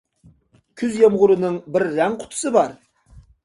كۈز يامغۇرىنىڭ بىر رەڭ قۇتىسى بار.